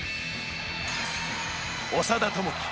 長田智希。